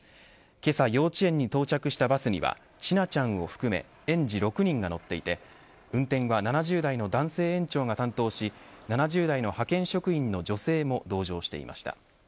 けさ、幼稚園に到着したバスには千奈ちゃんを含め園児６人が乗っていて運転は７０代の男性園長が担当し７０代の派遣職員の女性も同乗していました。